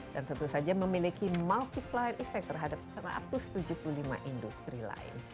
dan tentu saja memiliki multi ply effect terhadap satu ratus tujuh puluh lima industri lain